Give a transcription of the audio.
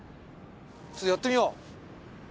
ちょっとやってみよう。